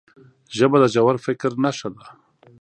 ژبه د ژور فکر نښه ده